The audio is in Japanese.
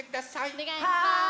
おねがいします。